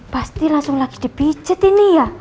pasti langsung lagi dipicit ini ya